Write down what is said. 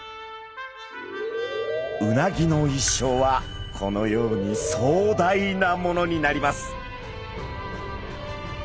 うなぎの一生はこのようにそうだいなものになります。